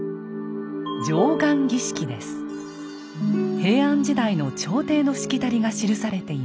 平安時代の朝廷のしきたりが記されています。